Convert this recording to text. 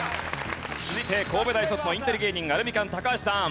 続いて神戸大卒のインテリ芸人アルミカン高橋さん。